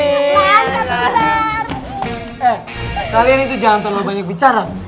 eh kalian itu jangan terlalu banyak bicara